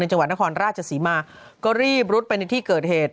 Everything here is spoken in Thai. จังหวัดนครราชศรีมาก็รีบรุดไปในที่เกิดเหตุ